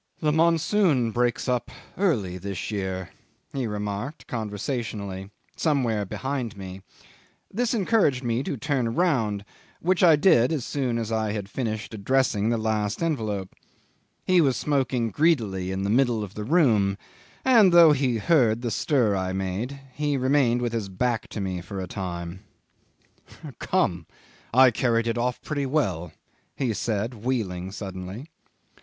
"The monsoon breaks up early this year," he remarked conversationally, somewhere behind me. This encouraged me to turn round, which I did as soon as I had finished addressing the last envelope. He was smoking greedily in the middle of the room, and though he heard the stir I made, he remained with his back to me for a time. '"Come I carried it off pretty well," he said, wheeling suddenly.